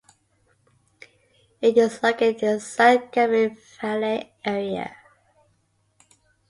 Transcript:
It is located in the San Gabriel Valley area.